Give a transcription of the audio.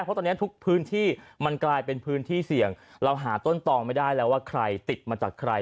เพราะตอนนี้ทุกพื้นที่มันกลายเป็นพื้นที่เสี่ยงเราหาต้นตองไม่ได้แล้วว่าใครติดมาจากใคร